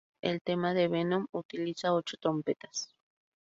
El tema de Venom utiliza ocho trompetas.